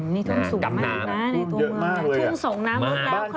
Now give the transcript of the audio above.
นี่ต้องส่งมากเลยนะในตัวเมืองถึงส่งน้ำมากแล้วครับมาก